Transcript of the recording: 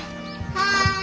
はい。